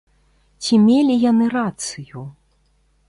Ці мелі яны рацыю?